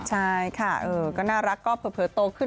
ใช่ค่ะก็น่ารักก็เผลอโตขึ้น